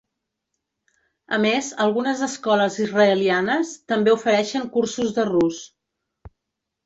A més, algunes escoles israelianes també ofereixen cursos de rus.